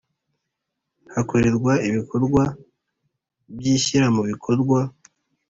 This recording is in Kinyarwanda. hakorerwa ibikorwa by ishyiramubikorwa